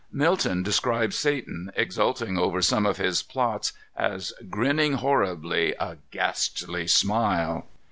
Milton describes Satan, exulting over some of his plots, as "grinning horribly a ghastly smile."